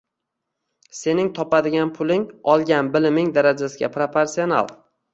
Sening topadigan puling olgan biliming darajasiga proporsional